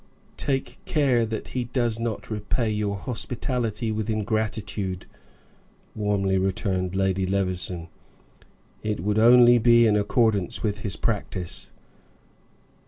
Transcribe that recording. "Take care that he does not repay your hospitality with ingratitude," warmly returned Lady Levison. "It would only be in accordance with his practice."